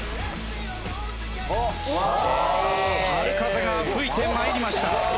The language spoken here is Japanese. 春風が吹いて参りました。